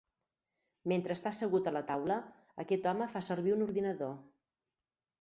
Mentre està assegut a la taula, aquest home fa servir un ordinador.